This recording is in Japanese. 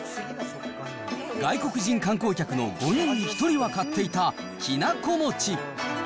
外国人観光客の５人に１人は買っていたきなこ餅。